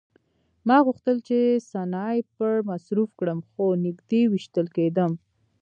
ما غوښتل چې سنایپر مصروف کړم خو نږدې ویشتل کېدم